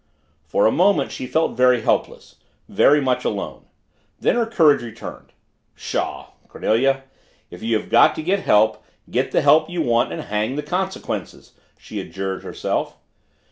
For a moment she felt very helpless, very much alone. Then her courage returned. "Pshaw, Cornelia, if you have got to get help get the help you want and hang the consequences!" she adjured herself.